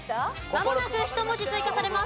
まもなく１文字追加されます。